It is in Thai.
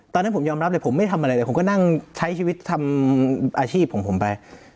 ตอนนั้นผมยอมรับเลยผมไม่ทำอะไรเลยผมก็นั่งใช้ชีวิตทำอาชีพของผมไป